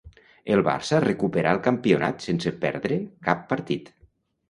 El Barça recuperà el campionat sense perdre cap partit.